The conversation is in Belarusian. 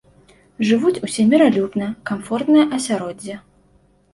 Жывуць усе міралюбна, камфортнае асяроддзе.